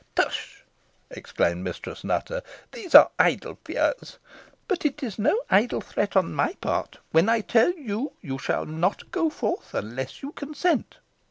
"Tush!" exclaimed Mistress Nutter; "these are idle fears. But it is no idle threat on my part, when I tell you you shall not go forth unless you consent."